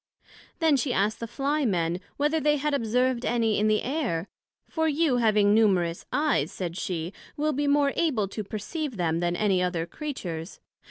Then she asked the Fly men, whether they had observed any in the Air? for you having numerous Eyes, said she, will be more able to perceive them, than any other Creatures.